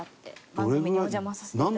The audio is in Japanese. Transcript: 番組にお邪魔させていただいて。